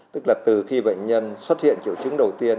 tức là từ khi bệnh nhân xuất hiện triệu chứng đầu tiên